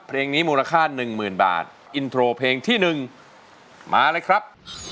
เพลงนี้มูลค่าหนึ่งหมื่นบาทอินโทรเพลงที่หนึ่งมาเลยครับ